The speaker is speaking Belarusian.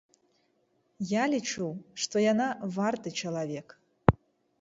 Я лічу, што яна варты чалавек.